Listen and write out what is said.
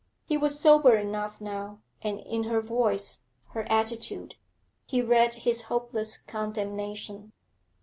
He was sober enough now, and in her voice, her attitude, he read his hopeless condemnation.